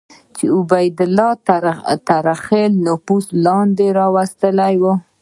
چې عبیدالله تر خپل نفوذ لاندې راوستلي وو.